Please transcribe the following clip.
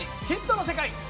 ヒットの世界』。